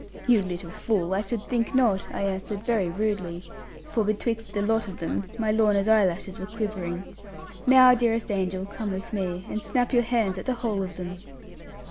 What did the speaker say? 'You little fool, I should think not,' I answered, very rudely; for, betwixt the lot of them, my Lorna's eyelashes were quivering; 'now, dearest angel, come with me; and snap your hands at the whole of them.'